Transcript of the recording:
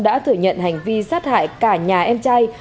đã thừa nhận hành vi sát hại cả nhà em trai